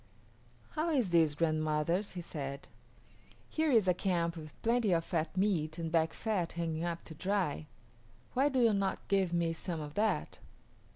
"How is this, grandmothers?" he said. "Here is a camp with plenty of fat meat and back fat hanging up to dry; why do you not give me some of that?"